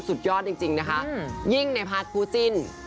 สุดยอดจริงนะคะยิ่งในพาร์ทคู่จิ้น